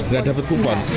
nggak dapat kupon